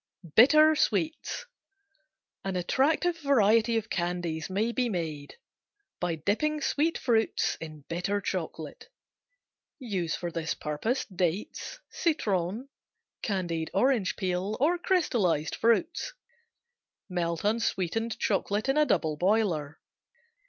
Bitter Sweets An attractive variety of candies may be made by dipping sweet fruits in bitter chocolate. Use for this purpose dates, citron, candied orange peel or crystallized fruits. Melt unsweetened chocolate in a double boiler.